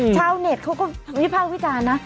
ชาวเน็ตเขาก็วิภาควิจารณ์นะ